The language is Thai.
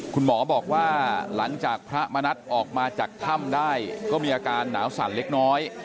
คุณหมอบอกว่าหลังจากพระมณัฐออกมาจากถ้ำได้ก็มีอาการหนาวสั่นเล็กน้อย